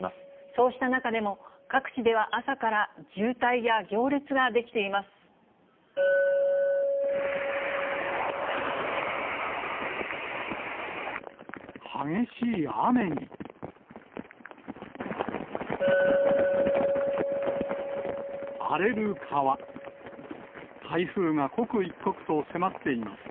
そうした中でも各地では朝から渋滞や行列が出来ています。